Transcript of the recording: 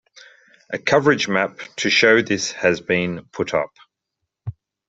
A coverage map to show this has been put up.